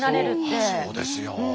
そうですよ。